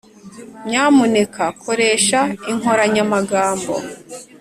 nyamuneka koresha inkoranyamagambo!